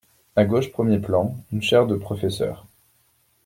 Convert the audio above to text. A gauche premier plan, une chaire de professeur.